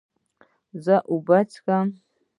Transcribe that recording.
زه اوبه څښم